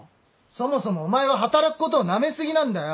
そもそもお前は働くことをなめ過ぎなんだよ！